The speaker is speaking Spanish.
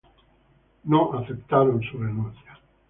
No fue aceptada su renuncia.